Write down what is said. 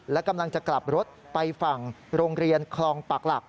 และกำลังจะกลับรถไปฝั่งโรงเรียนคลองปากหลัก